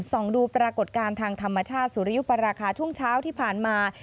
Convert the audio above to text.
ส่องดูปรากฏการณ์ทางธรรมชาติสุริยุปราคาช่วงเช้าที่ผ่านมา